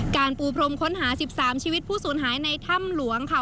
การปูพรมค้นหา๑๓ชีวิตผู้สูญหายในถ้ำหลวงค่ะ